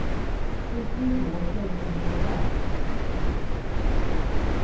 Three people were killed in the attack.